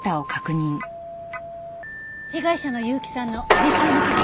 被害者の結城さんの実際の傷と比較して。